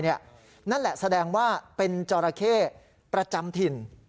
นั่นแหละแสดงว่าเป็นจราเข้ประจำถิ่น